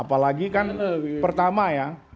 apalagi kan pertama ya